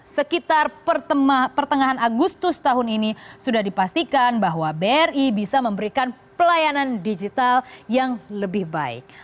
sekitar pertengahan agustus tahun ini sudah dipastikan bahwa bri bisa memberikan pelayanan digital yang lebih baik